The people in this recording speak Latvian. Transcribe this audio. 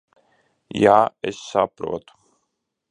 Jā, es saprotu.